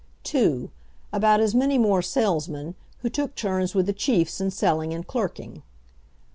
2. About as many more salesmen, who took turns with the chiefs in selling and clerking.